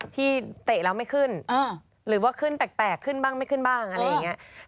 เตะแล้วไม่ขึ้นหรือว่าขึ้นแปลกขึ้นบ้างไม่ขึ้นบ้างอะไรอย่างนี้